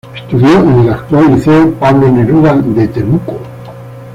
Estudió en el actual Liceo Pablo Neruda de Temuco.